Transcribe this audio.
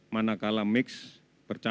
manakala mix berbeda